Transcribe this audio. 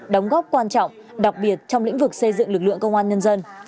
đóng góp quan trọng đặc biệt trong lĩnh vực xây dựng lực lượng công an nhân dân